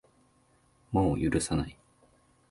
もう許さない